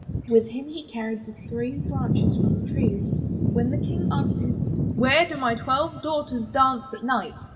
With him he carried the three branches from the trees. When the King asked him, * 'Where do my twelve daughters dance at night?'